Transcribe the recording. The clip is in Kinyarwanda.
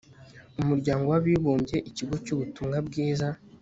umuryango w'abibumbye, ikigo cy'ubutumwa bwiza